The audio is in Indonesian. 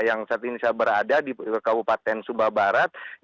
yang saat ini saya berada di kabupaten sumba barat